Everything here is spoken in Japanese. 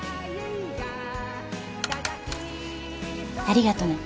ありがとね。